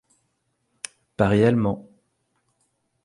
Pas réellement.